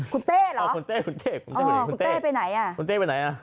คุณเต้หรอคุณเต้ไปไหน